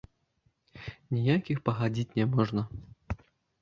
Ніяк іх пагадзіць няможна.